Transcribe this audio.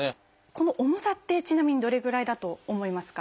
この重さってちなみにどれぐらいだと思いますか？